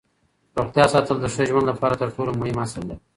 روغتیا ساتل د ښه ژوند لپاره تر ټولو مهم اصل دی